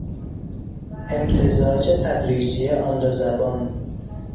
امتزاج تدریجی آن دو زبان